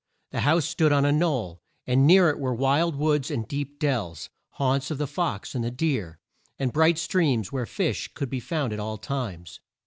The house stood on a knoll, and near it were wild woods and deep dells, haunts of the fox and the deer, and bright streams where fish could be found at all times.